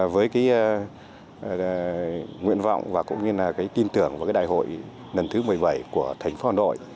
với cái nguyện vọng và cũng như là cái tin tưởng vào cái đại hội lần thứ một mươi bảy của thành phố hà nội